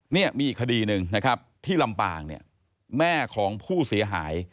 มีอีกคดีหนึ่งที่ลำบากแม่ของผู้เสียหาย